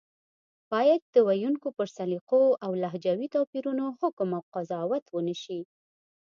بايد د ویونکو پر سلیقو او لهجوي توپیرونو حکم او قضاوت ونشي